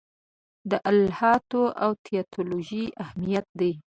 د الهیاتو او تیولوژي اهمیت دی.